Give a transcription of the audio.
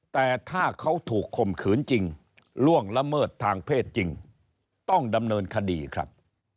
แต่ถ้าเขาถูกข่มขืนจริงล่วงละเมิดทางเพศจริงต้องดำเนินคดีครับ